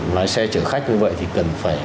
lái xe chở khách như vậy thì cần phải